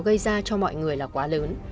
gây ra cho mọi người là quá lớn